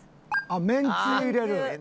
あっめんつゆ入れる。